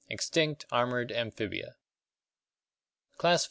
Extinct, armored amphibia. Class IV.